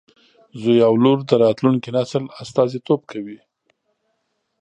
زوی او لور د راتلونکي نسل استازیتوب کوي.